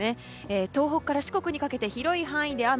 東北から四国にかけて広い範囲で雨。